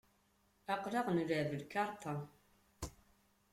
Aql-aɣ nleεεeb lkarṭa.